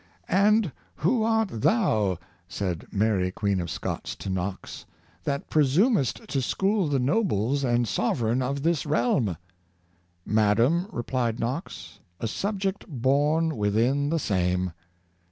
''And who art thou," said Mary Queen of Scots to Knox, ^' that presumest to school the nobles and sovereign of this realm .^" ''Madam," replied Knox, "a subject born within the same."